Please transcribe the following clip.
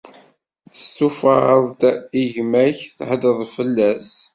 Testufaḍ-d i gma-k, theddreḍ fell-as.